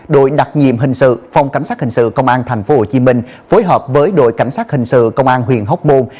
đội đặc nhiệm hình sự phòng cảnh sát hình sự công an tp hcm phối hợp với đội cảnh sát hình sự công an huyện hóc môn